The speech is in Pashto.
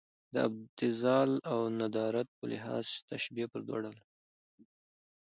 د ابتذال او ندرت په لحاظ تشبیه پر دوه ډوله ده.